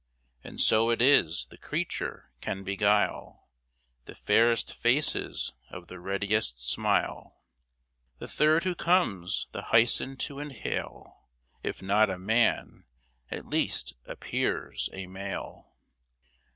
And so it is, the creature can beguile The fairest faces of the readiest smile. The third who comes the hyson to inhale, If not a man, at least appears a male.